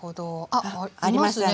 あっありますね。